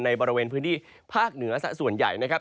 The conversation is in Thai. บริเวณพื้นที่ภาคเหนือส่วนใหญ่นะครับ